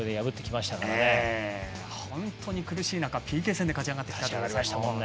本当に苦しい中、ＰＫ戦で勝ち上がってきました。